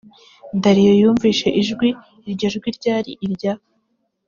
dariyo yumvise ijwi. iryo jwi ryari irya